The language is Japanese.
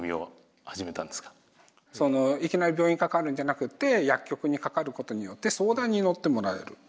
いきなり病院かかるんじゃなくて薬局にかかることによって相談に乗ってもらえる。